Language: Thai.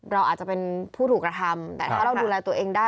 เราอาจจะเป็นผู้ถูกกระทำแต่ถ้าเราดูแลตัวเองได้